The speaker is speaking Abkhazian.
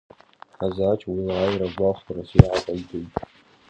Ҳазач уи лааира гәахәарас иааҟаиҵеит.